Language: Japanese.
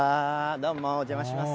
どうも、お邪魔します。